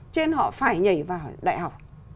cho nên họ phải nhảy vào đại học